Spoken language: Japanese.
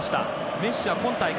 メッシは今大会